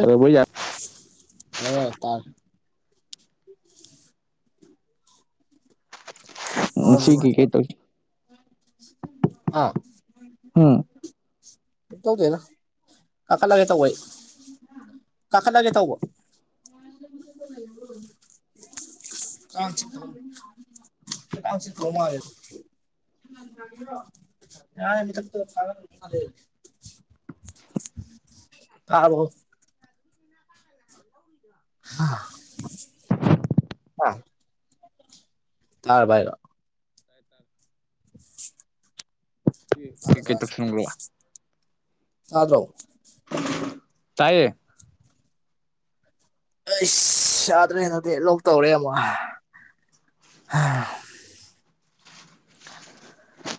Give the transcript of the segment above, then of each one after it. ꯑꯗ ꯃꯣꯏ ꯌꯥ [unintelligible] ꯇꯥꯔꯦ ꯉꯁꯤ [unintelligible] ꯀꯩꯀꯩ ꯇꯧ ꯍꯥ ꯍꯨꯝ [unintelligible] ꯇꯧꯗꯦꯗ ꯀꯥꯈꯠꯂꯒꯦ ꯇꯧꯕ ꯑꯩ ꯀꯥꯈꯠꯂꯒꯦ ꯇꯧꯕ [inaudible] ꯀꯥꯡ ꯆꯤꯛꯇꯧ ꯀꯥꯡ ꯆꯤꯛꯇꯧ ꯃꯥꯜꯂꯦ [unintelligible] ꯌꯥꯅꯤ ꯃꯊꯛꯇ ꯀꯥꯡꯒꯟ [unintelligible] [inaudible] ꯇꯥꯕ꯭ꯔꫭ [inaudible] [unintelligible] ꯇꯥꯔꯕ ꯍꯥꯏꯔꫭ ꯇꯥꯏ [unintelligible] [inaudible] ꯆꯥꯛꯀ ꯀꯩ ꯆꯥꯖꯦ ꯇꯧꯁꯤꯟꯕ꯭ꯔꯣ ꯇꯥꯗ꯭ꯔꯣ [unintelligible] ꯇꯥꯏꯌꯦ ꯑꯥꯏꯁ ꯌꯥꯗ꯭ꯔꯦ ꯍꯟꯗꯛꯇꯤ ꯂꯣꯛ ꯇꯧꯔꯦ ꯑꯃꯨꯛ [unintelligible]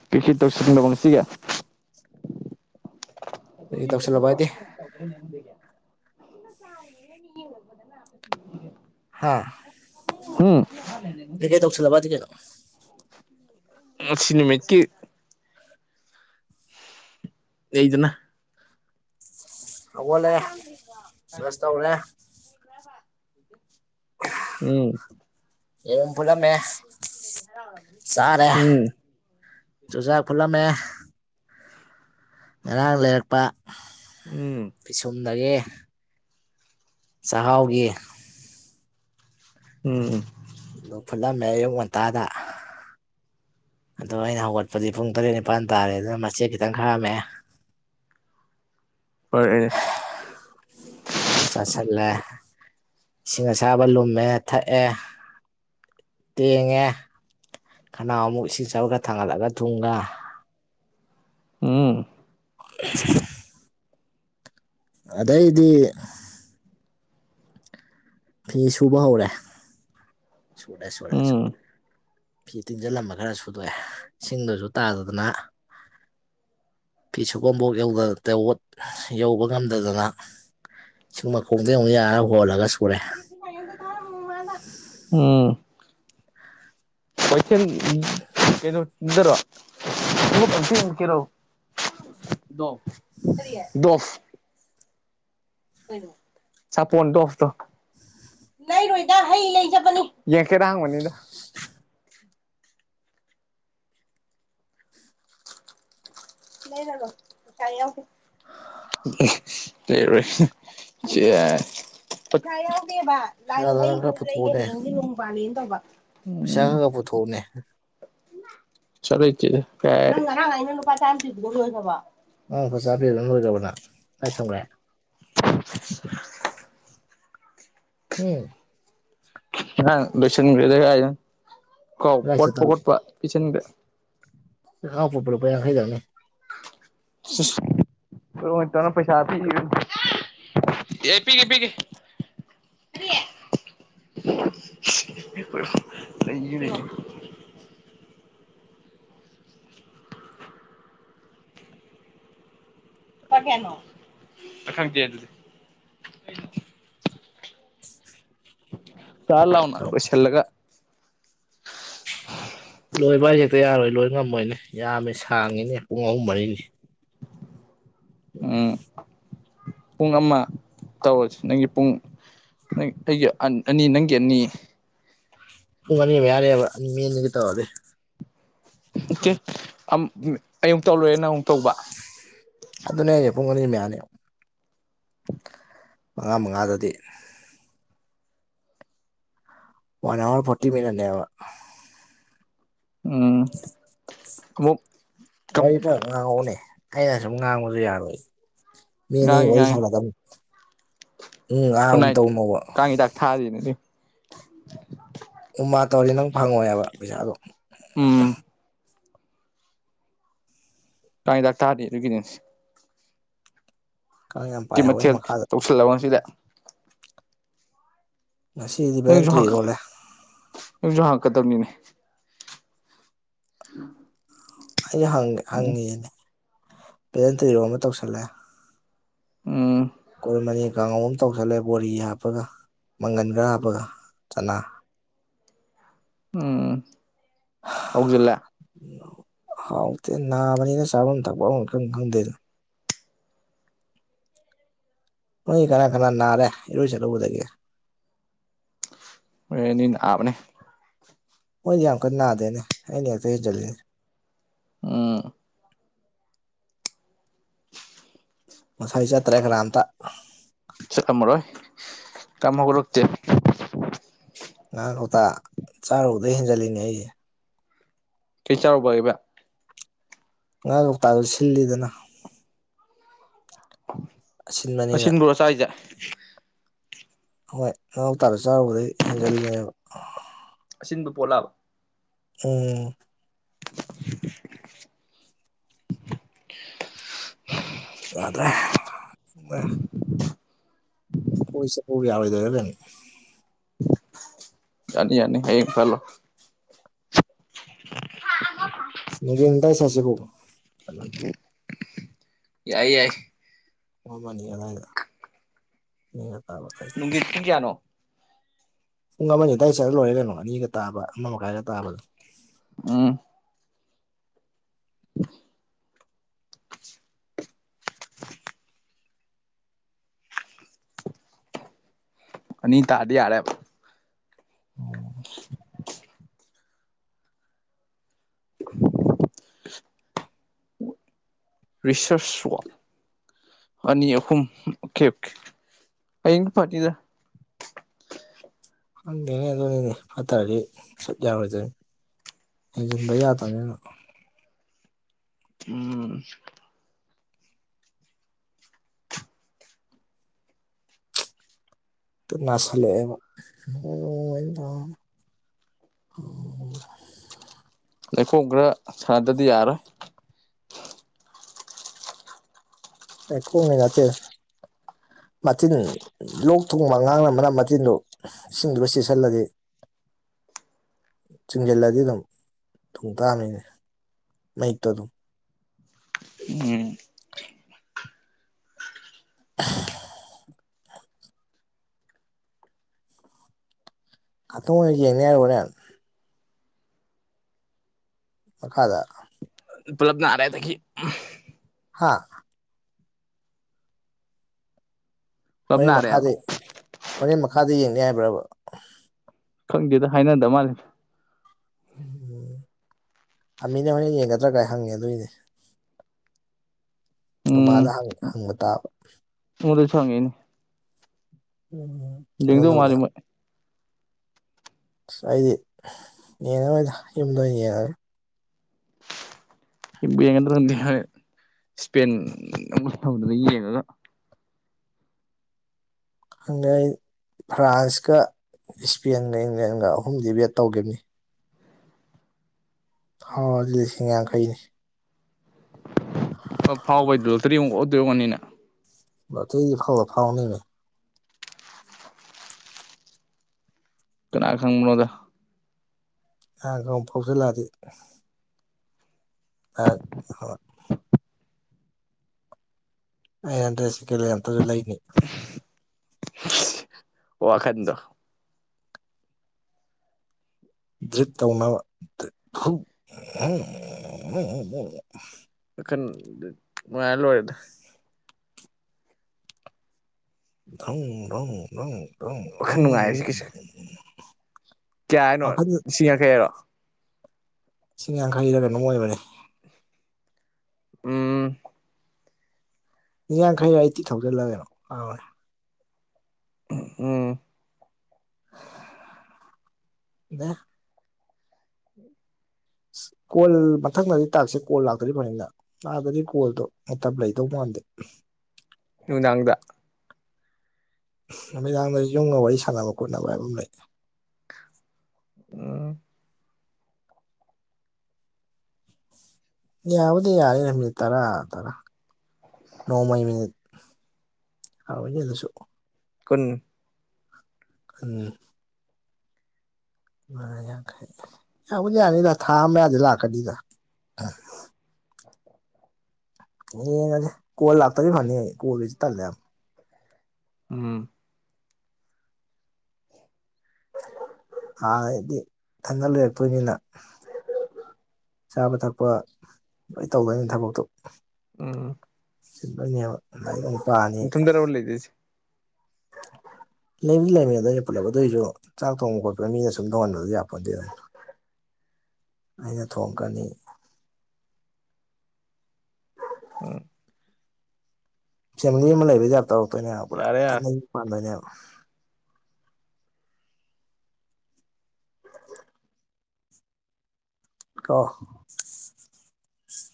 ꯀꯩ ꯀꯩ ꯇꯧꯁꯤꯜꯂꯕ ꯉꯁꯤꯒꯤ ꯀꯩ ꯇꯧꯁꯤꯜꯂꯕ ꯍꯥꯏꯗꯤ [inaudible] ꯍꯥꯥ [unintelligible] ꯀꯩ ꯀꯩ ꯇꯧꯁꯤꯜꯂꯕꯗꯤ ꯀꯩꯅꯣ [inaudible] ꯉꯁꯤ ꯅꯨꯃꯤꯠꯀꯤ ꯂꯩꯗꯅ ꯍꯧꯒꯠꯂꯦ ꯕ꯭ꯔꯁ ꯇꯧꯔꯦ [unintelligible] ꯎꯝ ꯌꯦꯔꯨꯝ ꯐꯨꯠꯂꯝꯃꯦ ꯆꯥꯔꯦ [unintelligible] ꯎꯝ ꯆꯨꯖꯥꯛ ꯐꯨꯠꯂꯝꯃꯦ ꯉꯔꯥꯡ ꯂꯩꯔꯛꯄ ꯎꯝ ꯄꯤꯁꯨꯝꯗꯒꯤ ꯆꯍꯥꯎꯒꯤ ꯎꯝ ꯑꯗꯨ ꯐꯨꯠꯂꯝꯃꯦ ꯑꯌꯨꯛ ꯉꯟꯇꯥꯗ ꯑꯗꯣ ꯑꯩꯅ ꯍꯧꯒꯠꯄꯗꯤ ꯄꯨꯡ ꯇꯔꯦꯠ ꯅꯤꯄꯥꯟ ꯇꯥꯔꯦ ꯑꯗꯨꯅ ꯃꯆꯦꯠ ꯈꯤꯇꯪ ꯈꯥꯛꯑꯝꯃꯦ [unintelligible] ꯑꯦ ꯑꯗꯨ ꯆꯥꯥꯁꯜꯂꯦ ꯏꯁꯤꯡ ꯑꯁꯥꯕ ꯂꯨꯝꯃꯦ ꯊꯛꯑꯦ ꯇꯦꯡꯉꯦ ꯈꯟꯅꯥꯎ ꯑꯃꯨꯛ ꯏꯁꯤꯡ ꯑꯁꯥꯕ ꯈꯔ ꯊꯥꯡꯒꯠꯂꯒ ꯊꯨꯝꯒ ꯎꯝ [inaudible] ꯑꯗꯩꯗꯤ ꯐꯤꯁꯨꯕ ꯍꯧꯔꯦ ꯁꯨꯔꯦ ꯁꯨꯔꯦ ꯁꯨꯔꯦ ꯎꯝ ꯐꯤ ꯇꯤꯡꯖꯤꯡꯂꯝꯕ ꯈꯔ ꯁꯨꯗꯣꯛꯑꯦ ꯢꯁꯤꯡꯗꯨꯖꯨ ꯇꯥꯗꯗꯅ ꯐꯤ ꯁꯨꯕꯝꯕꯣꯛ ꯌꯧꯕ ꯉꯝꯗꯗꯅ ꯆꯤꯡ ꯃꯈꯣꯡꯗ ꯑꯃꯨꯛ ꯌꯥꯔ ꯍꯣꯜꯂꯒ ꯁꯨꯔꯦ ꯎꯝ ꯀꯩꯅꯣ ꯆꯤꯟꯗꯔꯣ [unintelligible] ꯁꯥꯄꯣꯟ ꯗꯣꯐꯇꯣ ꯂꯩꯔꯣꯏꯗ ꯍꯩ ꯂꯩ ꯆꯠꯄꯅꯤ ꯌꯦꯡꯀꯦꯔꯥꯡ ꯍꯪꯕꯅꯤꯗ ꯂꯩꯔꯔꯣꯢ ꯄꯩꯁꯥ ꯌꯥꯎꯗꯦ ꯂꯩꯔꯣꯏ ꯌꯥ ꯄꯩꯁꯥ ꯌꯥꯎꯗꯦꯕ ꯂꯥꯏ ꯄꯩꯁꯥꯗꯣ ꯍꯩ ꯅꯪ ꯈꯔ ꯈꯤꯇ ꯂꯩꯒꯦ ꯄꯨꯊꯣꯛꯎꯅꯦ ꯍꯌꯦꯡꯗꯤ ꯅꯣꯡ ꯄꯥꯂꯦꯅ ꯇꯧꯕ ꯎꯝ ꯆꯪꯉꯒ ꯄꯨꯊꯣꯛꯎꯅꯦ [unintelligible] ꯉꯔꯥꯡ ꯂꯨꯄꯥ ꯆꯥ ꯄꯤꯕ ꯂꯣꯢꯒ꯭ꯔꯕꯣ ꯅꯪ ꯀꯥꯢ ꯊꯝꯒ꯭ꯔꯦ [inaudible] [inaudible] ꯉꯥꯡ ꯂꯣꯢꯁꯟꯒ꯭ꯗꯦꯗ ꯀꯗꯥꯏ ꯆꯠꯇ ꯀꯥꯢꯗꯩꯅꯣ [unintelligible] ꯈꯣꯡꯒꯥꯎ ꯐꯣꯠꯄ ꯂꯨꯄꯥ ꯌꯥꯈꯩꯈꯛꯅꯦ [unintelligible] ꯑꯦ ꯄꯤꯒꯦ ꯄꯤꯒꯦ [unintelligible] ꯑ ꯈꯪꯗꯦ ꯑꯗꯨꯗꯤ ꯆꯥ ꯂꯥꯎꯅ ꯆꯥꯎ ꯂꯣꯢꯁꯤꯜꯂꯒ ꯂꯣꯏꯕ ꯍꯥꯢꯖꯦ ꯍꯦꯛꯇ ꯌꯥꯔꯣꯏ ꯂꯣꯏ ꯉꯝꯃꯣꯏꯅꯦ ꯌꯥꯝꯃꯦ ꯁꯥꯡꯉꯤꯅꯦ ꯄꯨꯡ ꯑꯍꯨꯝ ꯃꯔꯤꯒꯤ ꯎꯝ ꯄꯨꯡ ꯑꯃ ꯇꯧꯔꯖꯤ ꯅꯪꯒꯤ ꯄꯨꯡ ꯅꯪ ꯑꯩꯒꯤ ꯑꯅꯤ ꯅꯪꯒꯤ ꯑꯅꯤ ꯄꯨꯡ ꯑꯅꯤ ꯃꯌꯥꯅꯦꯕ ꯃꯤ ꯑꯅꯤꯒꯤ ꯇꯧꯔꯗꯤ ꯑꯣꯀꯦ ꯑꯩꯃꯨꯛ ꯇꯧ ꯂꯣꯢꯔ ꯅꯪ ꯑꯃꯨꯛ ꯇꯧꯕ ꯑꯗꯨꯅꯦ ꯍꯥꯢꯖꯦ ꯄꯨꯡ ꯑꯅꯤ ꯃꯌꯥꯅꯦ ꯃꯉꯥ ꯃꯉꯥꯗꯗꯤ ꯋꯥꯟ ꯍꯋꯥꯔ ꯐꯣꯔꯇꯤ ꯃꯤꯅꯠꯅꯦꯕ ꯎꯝ ꯈꯨꯎꯞ ꯋꯥꯔꯤ ꯈꯔ ꯉꯥꯡꯉꯧꯅꯦ ꯑꯩꯅ ꯁꯨꯝ ꯉꯥꯡꯕꯖꯨ ꯌꯥꯔꯣꯏ ꯃꯤ ꯑꯅꯤ ꯉꯥꯡꯉꯤ ꯋꯥꯔꯤ ꯉꯥꯡꯉꯤ ꯁꯥꯟꯅꯗꯝꯅꯤ ꯒꯨꯠ ꯅꯥꯏꯠ ꯇꯧꯅꯣꯕ ꯀꯥꯡ ꯍꯤꯗꯥꯛ ꯊꯥꯔꯤꯅꯦ ꯎꯝ ꯃꯥ ꯇꯧꯔꯗꯤ ꯅꯪ ꯐꯪꯉꯣꯏ ꯍꯥꯢꯕ ꯄꯩꯁꯥꯗꯣ ꯎꯝ ꯀꯥꯡ ꯍꯤꯗꯥꯛ ꯊꯥꯗꯦ ꯑꯗꯨꯒꯤꯅꯦ ꯁꯤ ꯀꯥꯡ ꯌꯥꯝ ꯀꯩ ꯄꯥꯏꯍꯧꯋꯦ ꯃꯊꯦꯜ ꯃꯈꯥꯗ ꯇꯧꯁꯤꯜꯂꯕ ꯉꯁꯤꯗꯤ ꯉꯁꯤꯗꯤ ꯚꯦꯂꯟꯇ꯭ꯔꯤ ꯏꯔꯣꯜꯂꯦ ꯅꯪꯖꯨ ꯍꯪꯉꯛꯀꯗꯕꯅꯤꯅꯦ [inaudible] ꯑꯩ ꯍꯪꯒꯦ ꯎꯝ ꯍꯪꯉꯤꯖꯤꯅꯤ ꯚꯦꯂꯦꯟꯗ꯭ꯔꯤ ꯏꯔꯣꯝꯕ ꯇꯧꯁꯜꯂꯦ ꯎꯝ ꯀꯣꯜꯂꯃꯅꯤ ꯀꯥꯡꯍꯧ ꯑꯝ ꯇꯧꯁꯜꯂꯦ ꯕꯣꯔꯤ ꯍꯥꯞꯄꯒ ꯃꯪꯒꯟ ꯈꯔ ꯍꯥꯞꯄꯒ ꯆꯅꯥ ꯎꯝ ꯍꯧꯖꯤꯜꯂꯦ ꯍꯥꯎꯇꯦ ꯅꯥꯕꯅꯤꯅ ꯆꯥꯚꯝ ꯊꯛꯄꯝ ꯑꯃ ꯏꯈꯪ ꯈꯪꯗꯦꯗ꯫ ꯃꯤ ꯀꯅꯥ ꯀꯅꯥ ꯅꯥꯔꯦ ꯏꯔꯣꯏ ꯆꯠꯂꯨꯕꯗꯒꯤ꯫ ꯍꯣꯔꯦꯟꯗꯤ ꯅꯥꯕꯅꯦ꯫ ꯃꯣꯏꯗꯤ ꯌꯥꯝ ꯀꯟꯅ ꯅꯥꯗꯦꯅꯦ ꯑꯩꯅ ꯍꯦꯛꯇ ꯍꯦꯟꯖꯜꯂꯤꯅꯦ꯫ ꯎꯝ ꯉꯁꯥꯏ ꯆꯠꯇ꯭ꯔꯦ ꯀꯅꯥꯝꯇ꯫ ꯆꯠꯂꯝꯃꯔꯣꯢ ꯀꯩꯝꯃ ꯎꯔꯛꯇꯦ꯫ ꯉꯥ ꯀꯧꯇꯥ ꯆꯥꯔꯨꯗꯩ ꯍꯦꯟꯖꯜꯂꯤꯅꯦ ꯑꯩ꯫ ꯀꯩ ꯆꯥꯎꯔꯨꯕ ꯑꯩꯕ꯫ ꯉꯥ ꯀꯧꯇꯥꯗꯣ ꯁꯤꯜꯂꯤꯗꯅ꯫ ꯑꯁꯤꯟꯕꯅꯤꯅ ꯑꯁꯤꯟꯕꯔꯣ ꯆꯥꯢꯖꯦ꯫ ꯍꯣꯏ ꯉꯥ ꯀꯧꯇꯥꯗꯣ ꯆꯥꯔꯨꯕꯗꯩ ꯍꯦꯟꯖꯜꯂꯦꯕ꯫ ꯑꯁꯤꯟꯕ ꯄꯣꯠꯂꯥꯕ꯫ ꯑꯣ [inaudible] ꯌꯥꯗ꯭ꯔꯦ ꯀꯣꯏ ꯆꯄꯕꯨ ꯌꯥꯔꯣꯢꯗꯣꯢꯔ ꯀꯩꯅꯣ꯫ ꯌꯥꯅꯤ ꯌꯥꯅꯤ ꯍꯌꯦꯡ ꯐꯍꯟꯂꯣ꯫ ꯅꯨꯡꯁꯤ ꯀꯥꯏ ꯁꯥꯁꯦꯒꯣ? ꯌꯥꯏ ꯌꯥꯏ ꯄꯨꯡ ꯑꯃꯅꯤ ꯑꯗꯥꯏꯗ ꯅꯦ ꯉꯟ ꯇꯥꯕ ꯐꯩ꯫ ꯃꯤ ꯀꯌꯥꯅꯣ? ꯄꯨꯡ ꯑꯃꯅꯤ ꯑꯗꯥꯏ ꯆꯠꯂ ꯂꯣꯏꯔꯦ ꯀꯩꯅꯣ ꯑꯅꯤꯒ ꯇꯥꯕ ꯑꯃ ꯃꯈꯥꯏꯒ ꯇꯥꯕꯗꯣ꯫ ꯎꯝ [inaudible] [inaudible] ꯑꯅꯤ ꯇꯥꯔꯗꯤ ꯌꯥꯔꯦ꯫ ꯑꯣ [inaudible] ꯔꯤꯁ꯭ꯔꯁ ꯋ꯭ꯔꯛ ꯑꯅꯤ ꯑꯍꯨꯝ ꯑꯣꯀꯦ ꯑꯣꯀꯦ ꯍꯌꯦꯡꯗꯤ ꯄꯥꯔꯇꯤꯗ꯫ ꯈꯪꯗꯦꯅꯦ ꯑꯗꯨꯅꯤꯅꯦ ꯐꯇꯥꯥꯗꯤ ꯆꯠ ꯌꯥꯔꯣꯢ ꯗꯣꯢꯅꯦ꯫ ꯍꯦꯟꯖꯤꯟꯕ ꯌꯥꯗꯕꯅꯤꯅ꯫ ꯎꯝ ꯇꯨ ꯅꯥꯁꯟꯂꯛꯑꯦꯕ [unintelligible] ꯂꯩꯈꯣꯝ ꯈꯔ ꯁꯥꯟꯅꯗꯗꯤ ꯌꯥꯔꯣꯏ꯫ ꯂꯩꯈꯣꯝꯒꯤ ꯅꯠꯇꯦ꯫ ꯃꯆꯤꯟ ꯂꯣꯛ ꯊꯨꯡꯕ ꯑꯉꯥꯡꯅ ꯃꯅꯞ ꯃꯇꯤꯟꯗꯣ ꯢꯁꯤꯡꯗꯨꯒ ꯆꯦꯁꯤꯜꯂꯗꯤ ꯆꯤꯡꯖꯜꯂꯗꯤ ꯑꯗꯨꯝ ꯊꯨꯡ ꯇꯥꯝꯃꯤꯅꯦ ꯃꯩꯛꯇꯣ ꯑꯗꯨꯝ꯫ ꯎꯝ ꯑ ꯉꯥꯛꯇꯪ ꯑꯣꯢꯅ ꯌꯦꯡꯅꯤ ꯍꯥꯏꯔꯦ ꯍꯣꯔꯦꯟ꯫ ꯃꯈꯥꯗ ꯄꯨꯂꯞꯅ ꯅꯔꯦꯗꯒꯤ ꯎꯝ ꯍꯥꯥ ꯄꯨꯂꯞ ꯍꯣꯔꯦꯟ ꯅꯥꯔꯦꯕ ꯃꯈꯥꯗꯤ ꯍꯣꯔꯦꯟ ꯃꯈꯥꯗꯤ ꯌꯦꯡꯅꯤ ꯍꯥꯏꯕ꯭ꯔꯕ ꯈꯪꯗꯦꯗ ꯍꯥꯏꯅꯗ ꯃꯥꯜꯂꯦꯗ ꯎꯝ ꯑꯃꯤꯅ ꯍꯣꯔꯦꯟ ꯌꯦꯡꯒꯗ꯭ꯔꯥ ꯀꯥꯏ ꯍꯪꯉꯦ ꯑꯗꯨꯏꯅꯦ [inaudible] ꯗꯨꯃꯥꯗ ꯍꯪ ꯍꯪꯕ ꯇꯥꯕ ꯑꯩꯉꯣꯟꯗꯖꯨ ꯍꯪꯉꯛꯑꯦꯅꯦ ꯎꯝ ꯂꯤꯡꯗꯧ ꯑꯩꯉꯣꯟꯗꯕꯨꯗꯤ ꯃꯥꯂꯦ ꯑꯁ ꯃꯣꯢ ꯑꯁ ꯑꯩꯗꯤ ꯌꯦꯡꯉꯔꯣꯏꯗ ꯌꯨꯝꯗ ꯑꯣꯏꯅ ꯌꯦꯡꯉꯒꯦ ꯌꯦꯡꯕꯨ ꯌꯦꯡꯒꯗ꯭ꯔꯗ ꯈꯡꯗꯦ ꯍꯥꯢ ꯏꯁꯄꯦꯟ ꯑꯃ ꯍꯧꯗꯅ ꯌꯦꯡꯉꯒ ꯈꯡꯗꯦ ꯑꯩ ꯐ꯭ꯔꯥꯟꯁꯀ ꯏꯁꯄꯦꯟꯒ ꯏꯪꯂꯦꯟꯒ ꯑꯍꯨꯝꯗꯤ ꯕꯦꯠ ꯇꯧꯒꯤꯝꯅꯤ ꯐꯥꯎꯔꯗꯤ ꯂꯤꯁꯤꯡ ꯌꯥꯡꯈꯩꯅꯤ ꯑꯗ ꯐꯥꯎꯕꯩ ꯂꯣꯜꯇꯔꯤ ꯑꯃꯨꯛ ꯑꯣꯠꯇꯣꯢ ꯑꯣꯢꯔꯝꯒꯅꯤꯅꯦ ꯂꯣꯇꯔꯤꯗꯤ ꯢꯐꯥꯎꯗ ꯐꯥꯎꯅꯤꯃꯤ ꯀꯅꯥꯅ ꯈꯪꯕꯅꯣꯗ ꯀꯅꯥꯅ ꯈꯡꯕ ꯐꯥꯎꯖꯜꯂꯛꯑꯗꯤ ꯑ ꯍꯣ ꯑꯩ ꯍꯟꯗ꯭ꯔꯦꯁ ꯁꯦꯀꯦꯂꯦꯟ ꯑꯝꯇꯖꯨ ꯂꯩꯅꯤ ꯋꯥꯈꯟꯗꯣ ꯗ꯭ꯔꯤꯞ ꯇꯧꯅꯕ [unintelligible] ꯋꯥꯈꯟ ꯅꯨꯡꯉꯥꯢꯔ ꯂꯣꯏꯔꯦꯗ ꯗꯔꯪ ꯗ꯭ꯔꯪ ꯗ꯭ꯔꯪꯪꯪ ꯗꯔ꯭ꯪ ꯋꯥꯈꯜ ꯗꯔ꯭ꯪ ꯅꯨꯡꯉꯥꯏꯔꯤꯁꯤ ꯀ꯭ꯌꯥ ꯍꯥꯏꯅꯣ ꯂꯤꯁꯤꯡ ꯌꯥꯡꯈꯩ ꯍꯥꯢꯔꯣ ꯂꯤꯁꯤꯡ ꯌꯥꯡꯈꯩꯔ ꯀꯩꯅꯣꯝ ꯑꯣꯏꯕꯅꯦ ꯎꯝ ꯌꯥꯡꯈꯩꯔ ꯑꯩꯠꯇꯤ ꯊꯥꯎꯖꯟꯂꯥꯥ ꯀꯩꯅꯣ ꯀꯥꯎꯔꯦ ꯎꯝ ꯎꯝ ꯗꯦ ꯀꯣꯜ ꯃꯊꯪꯅꯗꯤ ꯇꯥꯛꯁꯁꯦ ꯀꯣꯜ ꯂꯥꯛꯇ꯭ꯔꯗꯤ ꯐꯅꯤꯗꯥ ꯑꯥꯗꯗꯤ ꯀꯣꯜꯗꯣ ꯃꯇꯝ ꯂꯩꯗꯧ ꯃꯥꯟꯗꯦ ꯅꯨꯡꯗꯥꯡꯗ ꯅꯨꯃꯤꯗꯥꯡꯗ ꯌꯨꯝꯒ ꯋꯥꯔꯤ ꯁꯥꯟꯅꯕ ꯈꯣꯠꯅꯕ ꯍꯥꯏꯕ ꯑꯃ ꯂꯩ ꯎꯝ ꯌꯥꯕꯨꯗꯤ ꯌꯥꯔꯦ ꯃꯤꯅꯤꯠ ꯇꯔꯥ ꯇꯔꯥ ꯅꯣꯡꯃꯩ ꯃꯤꯅꯤꯠ ꯍꯥꯎꯋꯤꯅꯦ ꯗꯨꯁꯨ ꯀꯨꯟ ꯑꯟ ꯃꯌꯥꯡꯈꯩ ꯌꯥꯕꯨꯗꯤ ꯌꯥꯅꯤꯗ ꯊꯥ ꯑꯝ ꯃꯌꯥꯗꯤ ꯂꯥꯛꯀꯅꯤꯗ ꯌꯦꯡꯉꯖꯦ ꯀꯣꯜ ꯂꯥꯛꯇꯗꯤ ꯐꯥꯅꯤ ꯀꯣꯜ ꯒꯤꯖꯦ ꯇꯂꯦ ꯌꯥꯝ ꯎꯝ ꯑ ꯑꯩꯗꯤ ꯊꯟꯗ ꯂꯩꯔꯛꯇꯣꯢꯅꯤꯅ ꯆꯥꯕ ꯊꯛꯄ ꯂꯣꯏ ꯇꯧꯗꯣꯏꯅꯤ ꯊꯕꯛꯇꯣ ꯎꯝ ꯆꯤꯟꯗꯣꯏꯅꯦꯕ ꯗ ꯑꯩꯅ ꯅꯨꯄꯥꯅꯤ ꯂꯩꯗꯁꯤ ꯂꯩꯕꯨꯗꯤ ꯂꯩꯃꯤ ꯑꯗ ꯑꯩꯅ ꯄꯨꯜꯂꯞ ꯑꯗꯨꯢꯖꯨ ꯆꯥꯛ ꯊꯣꯡꯕ ꯈꯣꯠꯄꯗ ꯃꯤꯅ ꯁꯨꯝ ꯊꯣꯡꯍꯟꯕꯗ ꯌꯥꯄꯣꯟꯗꯦꯅ [inaudible] ꯑꯩꯅ ꯊꯣꯡꯉꯛꯀꯅꯤ ꯎꯝ ꯐꯦꯃꯤꯂꯤ ꯑꯃ ꯂꯩꯕꯩ ꯇꯥꯢꯞ ꯇꯧꯔꯛꯇꯣꯏꯅꯦꯕ ꯄꯨꯔꯥ ꯌꯥꯔꯦ ꯌꯥꯔꯦ ꯊꯟꯅ ꯌꯨꯝ ꯄꯥꯟꯗꯣꯏꯅꯦꯕ ꯀꯣ